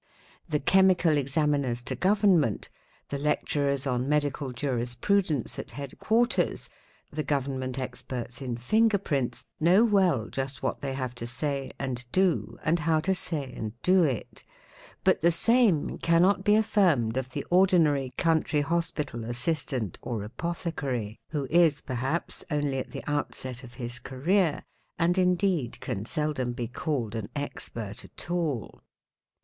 The Chemical Exami ners to Government, the Lecturers on Medical Jurisprudence at Head quarters, the Government Experts in Finger prints, know well just what they have to say and do and how to say and do it; but the same cannot be affirmed of the ordinary country hospital assistant or apothecary, who is perhaps only at the outset of his career and indeed can seldom be called an expert at all.